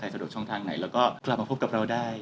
สะดวกช่องทางไหนแล้วก็กลับมาพบกับเราได้